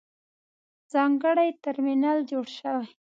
ځانګړی ترمینل جوړ شوی.